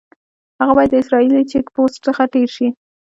هغه باید د اسرائیلي چیک پوسټ څخه تېر شي.